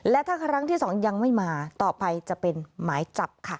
และถ้าครั้งที่สองยังไม่มาต่อไปจะเป็นหมายจับค่ะ